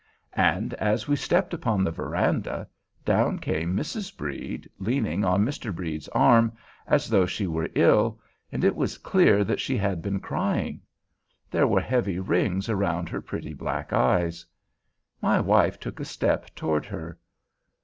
And, as we stepped upon the verandah, down came Mrs. Brede, leaning on Mr. Brede's arm, as though she were ill; and it was clear that she had been crying. There were heavy rings about her pretty black eyes. My wife took a step toward her.